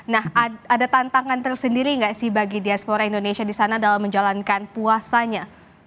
nah ada tantangan tersendiri nggak sih bagi diaspora indonesia di sana dalam menjalankan puasanya